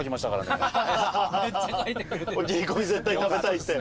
おきりこみ絶対食べたいって。